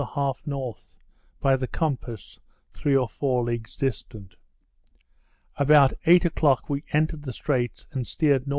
1/2 N. by the compass, three or four leagues distant. About eight o'clock we entered the straits, and steered N.E.